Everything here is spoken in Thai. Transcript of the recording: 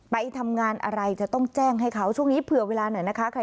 ไปทำงานอะไรจะต้องแจ้งให้เขาช่วงนี้เผื่อเวลาหน่อยนะคะ